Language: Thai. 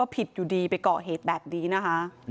ผิดอยู่ดีไปก่อเหตุแบบนี้นะคะ